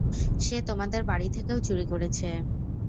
সে তোমাদের বাড়ি থেকেও চুরি করেছে।